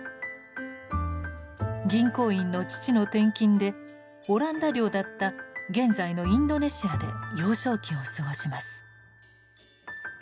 銀行員の父の転勤でオランダ領だった現在のインドネシアで幼少期を過ごします。